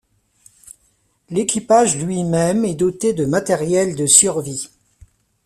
L'équipage lui-même est doté de matériel de survie.